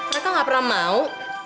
mereka gak pernah mau